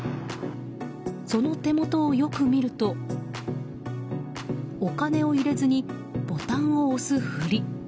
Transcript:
その手元をよく見るとお金を入れずにボタンを押すふり。